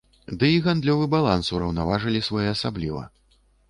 Ды і гандлёвы баланс ўраўнаважылі своеасабліва.